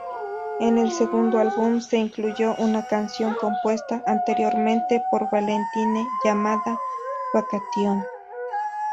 En el segundo álbum se incluyó una canción compuesta anteriormente por Valentine, llamada "Vacation".